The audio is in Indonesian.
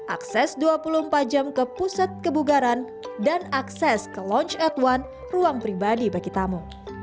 akses dua puluh empat jam ke pusat kebugaran dan akses ke lounge at one ruang pribadi bagi tamu